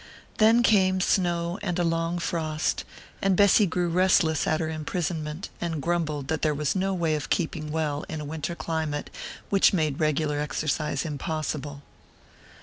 Then came snow and a long frost, and Bessy grew restless at her imprisonment, and grumbled that there was no way of keeping well in a winter climate which made regular exercise impossible.